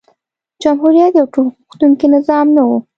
جمهوریت یو ټولغوښتونکی نظام نه و.